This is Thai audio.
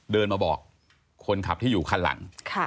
เดินมาบอกคนขับที่อยู่คันหลัง